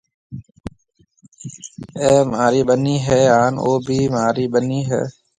اَي مهاري ٻنَي هيَ هانَ او بي مهاري ٻنَي هيَ۔